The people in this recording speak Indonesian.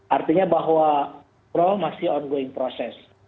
artinya bahwa pro masih ongoing proses